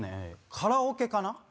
カラオケかな。